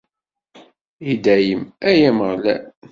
I dayem, ay Ameɣlal!